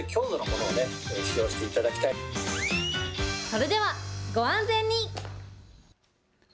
それではご安全に。